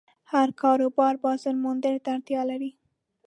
هر کاروبار بازارموندنې ته اړتیا لري.